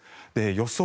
予想